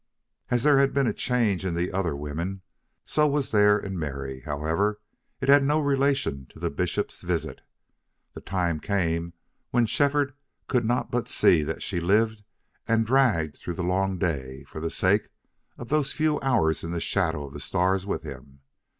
As there had been a change in the other women, so was there in Mary; however, it had no relation to the bishop's visit. The time came when Shefford could not but see that she lived and dragged through the long day for the sake of those few hours in the shadow of the stars with him.